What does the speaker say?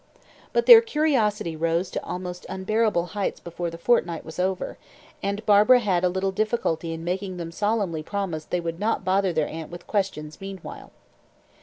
But their curiosity rose to almost unbearable heights before the fortnight was over, and Barbara had a little difficulty in making them solemnly promise that they would not bother their aunt with questions meanwhile.